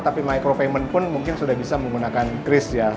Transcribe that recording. tapi microfayment pun mungkin sudah bisa menggunakan cris ya